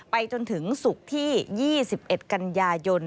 จนถึงศุกร์ที่๒๑กันยายน